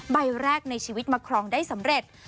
ใบแรกในชีวิตมาครองได้สำเร็จ